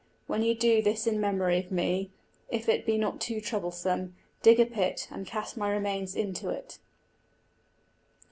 When you do this in memory of me, if it be not too troublesome, dig a pit, and cast my remains into it."